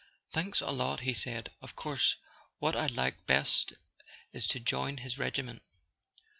"Thanks a lot," he said. "Of course what I'd like best is to join his regiment."